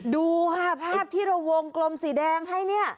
ดูค่ะภาพที่เราวงกลมสีแดงให้เนี่ย